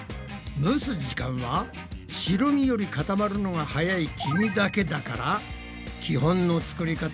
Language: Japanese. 蒸す時間は白身より固まるのが早い黄身だけだから基本の作り方より短い時間でＯＫだ！